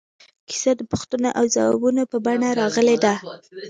کیسه د پوښتنو او ځوابونو په بڼه راغلې ده.